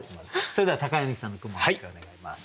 それでは柳さんの句も発表お願いします。